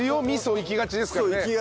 みそいきがちですからね。